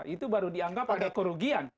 itu baru dianggap ada kerugian